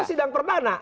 itu sidang perdana